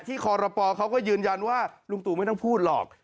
คอรปเขาก็ยืนยันว่าลุงตู่ไม่ต้องพูดหรอก